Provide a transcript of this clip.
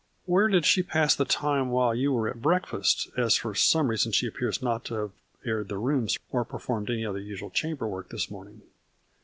" Where did she pass the time while you were at breakfast, as for some reason she ap pears not to have aired the rooms or performed any other usual chamber work this morning?